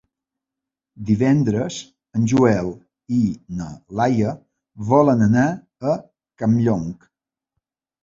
Divendres en Joel i na Laia volen anar a Campllong.